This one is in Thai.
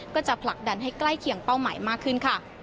ก็จะผลักดันให้ใกล้เคียงเป้าหมายมากขึ้นค่ะ